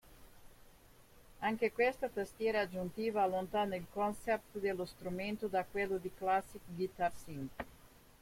Anche questa tastiera aggiuntiva allontana il concept dello strumento da quello di classico guitar-synth.